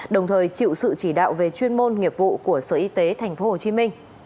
đồng thời chịu sự chỉ đạo về chuyên môn nghiệp vụ của sở y tế tp hcm